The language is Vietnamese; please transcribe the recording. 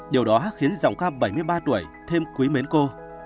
điều đó khiến dòng ca bảy mươi ba tuổi thêm quý mến cô